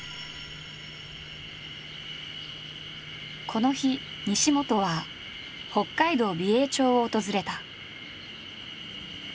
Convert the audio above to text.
この日西本は北海道美瑛町を訪れた。